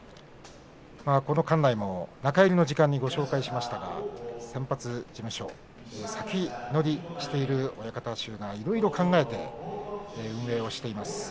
館内も中入りの時間にご紹介しましたが先発事務所、先乗りしている親方衆がいろいろ考えて運営をしています。